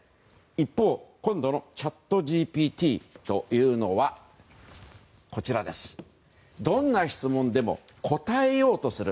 一方、今度のチャットＧＰＴはどんな質問でも答えようとする。